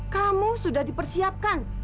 kamu sudah dipersiapkan